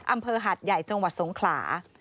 อำเภอหาดใหญ่จังหวัดสงขลา